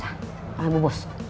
sama bu bos